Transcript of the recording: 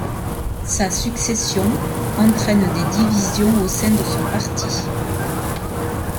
Sa succession entraîne des divisions au sein de son parti.